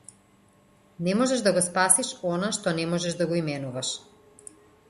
Не можеш да го спасиш она што не можеш да го именуваш.